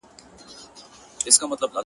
چي زه ویښ وم که ویده وم٫